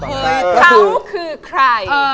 เค้าคือใคร